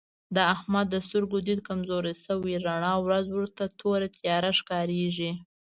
د احمد د سترګو دید کمزوری شوی رڼا ورځ ورته توره تیاره ښکارېږي.